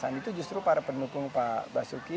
nah itu justru para pendukung pak basuki